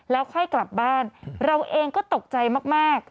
แล้วค่อยกลับบ้านเราเองก็ตกใจมาก